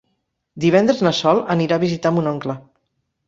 Divendres na Sol anirà a visitar mon oncle.